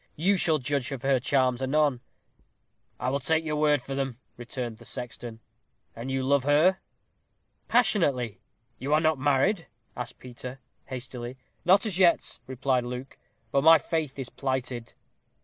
You shall judge of her charms anon." "I will take your word for them," returned the sexton; "and you love her?" "Passionately." "You are not married?" asked Peter, hastily. "Not as yet," replied Luke; "but my faith is plighted."